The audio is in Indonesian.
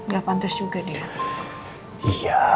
gak pantas juga dia